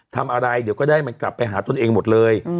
ทำอะไรเดี๋ยวก็ได้มันกลับไปหาตนเองหมดเลย